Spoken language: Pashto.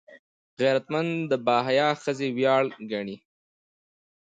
غیرتمند د باحیا ښځې ویاړ ګڼي